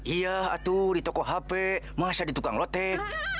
iya aduh di toko hp masa di tukang lotek